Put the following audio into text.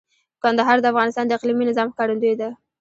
کندهار د افغانستان د اقلیمي نظام ښکارندوی ده.